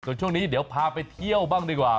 ส่วนช่วงนี้เดี๋ยวพาไปเที่ยวบ้างดีกว่า